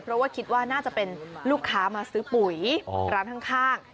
เพราะว่าคิดว่าน่าจะเป็นลูกค้ามาซื้อปุ๋ยร้านข้าง